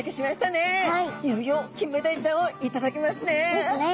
いよいよキンメダイちゃんを頂きますね。ですね！